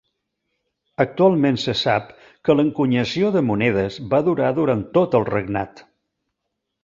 Actualment se sap que l'encunyació de monedes va durar durant tot el regnat.